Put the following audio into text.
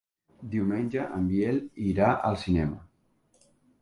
Diumenge en Biel irà al cinema.